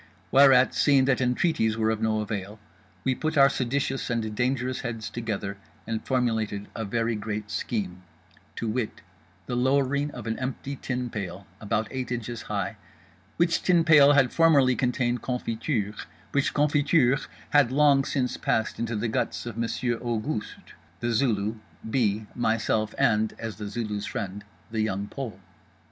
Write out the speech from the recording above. Whereat, seeing that entreaties were of no avail, we put our seditious and dangerous heads together and formulated a very great scheme; to wit, the lowering of an empty tin pail about eight inches high, which tin pail had formerly contained confiture, which confiture had long since passed into the guts of Monsieur Auguste, The Zulu, B., myself, and—as The Zulu's friend—The Young Pole.